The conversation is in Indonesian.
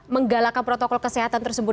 menggalakkan protokol kesehatan tersebut